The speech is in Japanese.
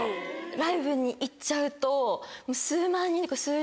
ライブに行っちゃうと。